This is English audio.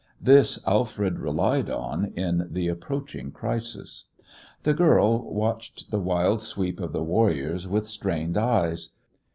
This Alfred relied on in the approaching crisis. The girl watched the wild sweep of the warriors with strained eyes.